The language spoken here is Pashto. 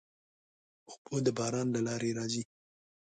اوبه د باران له لارې راځي.